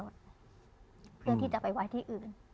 เพื่อที่จะไปไว้ที่อื่น